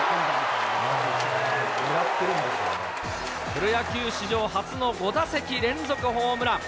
プロ野球史上初の５打席連続ホームラン。